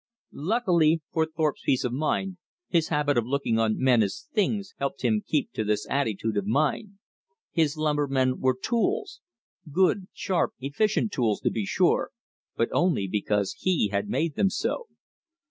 Luckily for Thorpe's peace of mind, his habit of looking on men as things helped him keep to this attitude of mind. His lumbermen were tools, good, sharp, efficient tools, to be sure, but only because he had made them so.